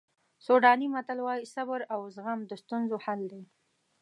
سوډاني متل وایي صبر او زغم د ستونزو حل دی.